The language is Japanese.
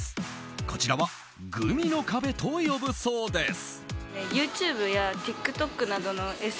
こちらはグミの壁と呼ぶそうです。